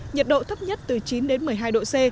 nhiệt độ thấp nhất từ chín đến một mươi hai độ c